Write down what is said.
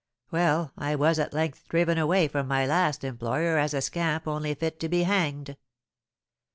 Well, I was at length driven away from my last employer as a scamp only fit to be hanged.